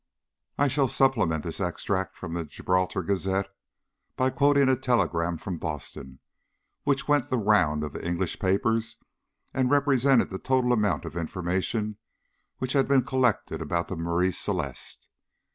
I shall supplement this extract from the Gibraltar Gazette by quoting a telegram from Boston, which went the round of the English papers, and represented the total amount of information which had been collected about the Marie Celeste.